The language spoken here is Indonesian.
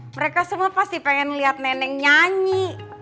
mereka semua pasti pengen liat neneng nyanyi